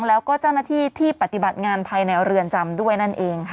แล้วก็เจ้าหน้าที่ที่ปฏิบัติงานภายในเรือนจำด้วยนั่นเองค่ะ